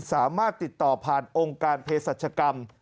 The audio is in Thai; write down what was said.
สามารถติดต่อผ่านองค์การเพศรัชกรรม